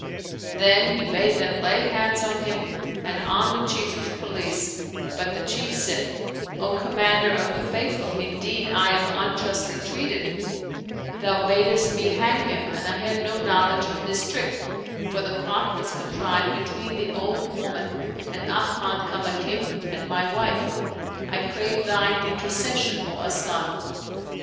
Then he bade them lay hands on him and on the Chief of Police, but the Chief said, "O Commander of the Faithful, indeed I am unjustly treated ; thou badest me hang him, and I had no knowl 153 Oriental Mystery Stories edge of this trick, for the plot was contrived between the old woman and Ahmad Kamakim and my wife. I crave thine intercession, O Asian."